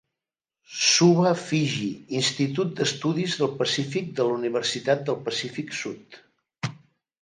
Suva, Fiji: Institut d'Estudis del Pacífic de la Universitat del Pacífic Sud.